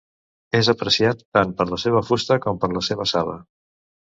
És apreciat tant per la seva fusta com per la seva saba.